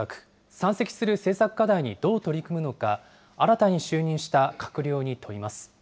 山積する政策課題にどう取り組むのか、新たに就任した閣僚に問います。